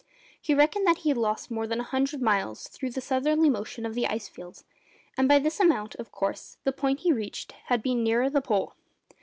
He reckoned that he had lost more than a hundred miles through the southerly motion of the ice field, and by this amount, of course, the point he reached had been nearer the Pole.